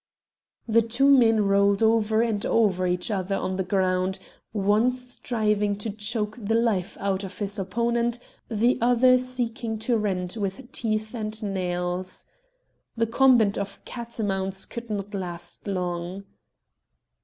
The two men rolled over and over each other on the ground one striving to choke the life out of his opponent, the other seeking to rend with teeth and nails. This combat of catamounts could not last long.